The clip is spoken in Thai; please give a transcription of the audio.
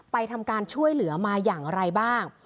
ทำการช่วยเหลือมาอย่างไรบ้าง